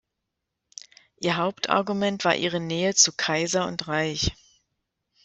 Ihr Hauptargument war ihre Nähe zu Kaiser und Reich.